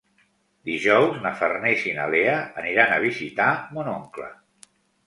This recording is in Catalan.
Dijous na Farners i na Lea aniran a visitar mon oncle.